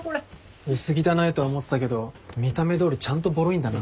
薄汚いとは思ってたけど見た目どおりちゃんとぼろいんだな。